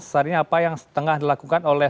saat ini apa yang tengah dilakukan oleh